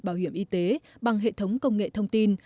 bảo hiểm y tế bằng hệ thống công nghệ thông tin